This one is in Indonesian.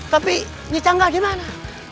tapi nyi changga di mana